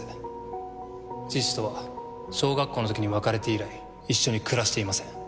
父とは小学校の時に別れて以来一緒に暮らしていません。